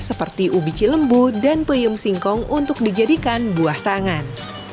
seperti ubi cilembu dan peyem singkong untuk dijadikan buah tangan